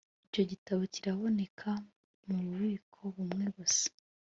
Icyo gitabo kiraboneka mububiko bumwe gusa